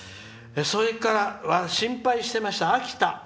それから、心配してました、秋田。